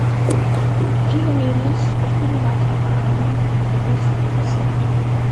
Kleomenes fiel in Attika ein und verwüstete das Land.